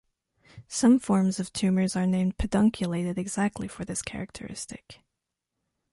Some forms of tumors are named pedunculated exactly for this characteristic.